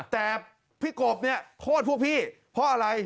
แต่พี่กบเนี่ยโทษพวกพี่เพราะอะไร